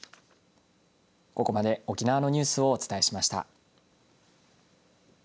ここまで沖縄のニュースをお伝えしました。